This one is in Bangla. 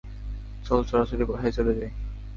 চল সরাসরি বাসায় চলে যাই।